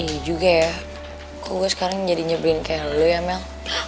iya juga ya kok gue sekarang jadi nyebrin kayak lu ya mel